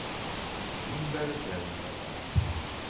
Melmi ara terremt aḍar?